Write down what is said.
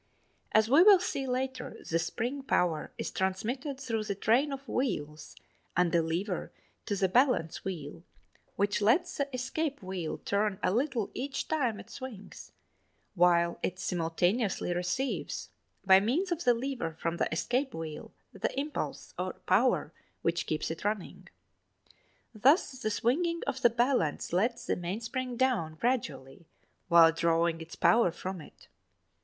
As we will see later, the spring power is transmitted through the train of wheels and the lever (7) to the balance wheel (8) which lets the escape wheel (5) turn a little each time it swings, while it simultaneously receives, by means of the lever from the escape wheel, the "impulse" or power which keeps it running. Thus the swinging of the balance lets the mainspring down gradually while drawing its power from it.